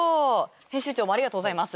編集長もありがとうございます。